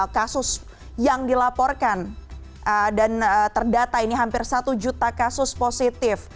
kasus yang dilaporkan dan terdata ini hampir satu juta kasus positif